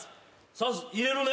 さす入れるね。